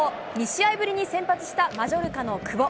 ２試合ぶりに先発したマジョルカの久保。